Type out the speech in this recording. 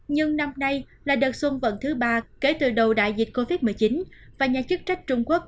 nhưng năm nay là đợt xuân vận thứ ba kể từ đầu đại dịch covid một mươi chín và nhà chức trách trung quốc